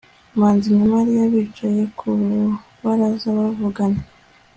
manzi na mariya bicaye ku rubaraza bavugana